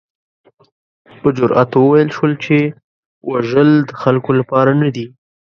په جرات وویل شول چې وژل د خلکو لپاره نه دي.